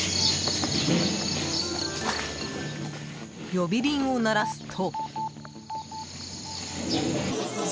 ［呼び鈴を鳴らすと］